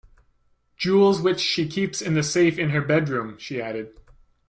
"Jewels which she keeps in the safe in her bedroom," she added.